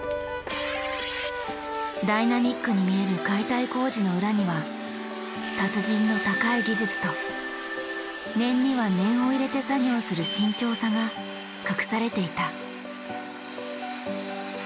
ダイナミックに見える解体工事の裏には達人の高い技術と念には念を入れて作業する慎重さが隠されていた。